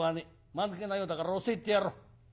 まぬけなようだから教えてやろう。